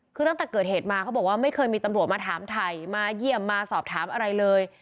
คือตั้งแต่เกิดเหตุมาเขาบอกว่าไม่เคยมีตำรวจมาถามถ่ายมาเยี่ยมมาสอบถามอะไรเลย